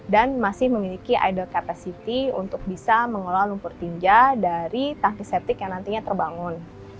dan masih memiliki idle capacity untuk bisa mengelola lumpur tinja dari tahap septic yang nantinya terbangun